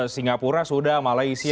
singapura sudah malaysia